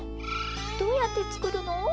どうやって造るの？